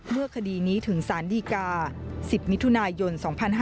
เมื่อคดีนี้ถึงสารดีกา๑๐มิถุนายน๒๕๕๙